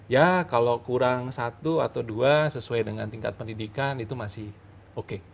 ya kalau kurang satu atau dua sesuai dengan tingkat pendidikan itu masih oke